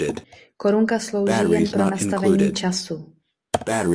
Korunka slouží jen pro nastavení času.